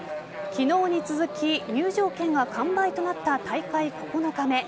昨日に続き入場券が完売となった大会９日目。